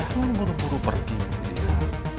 tunggu tunggu pergi bu lydia